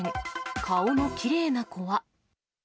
顔のきれいな子は。